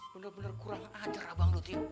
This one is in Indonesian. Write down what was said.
bener bener kurang ajar abang lutih